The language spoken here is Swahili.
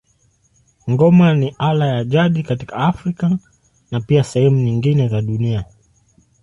Ngoma ni ala ya jadi katika Afrika na pia sehemu nyingine za dunia.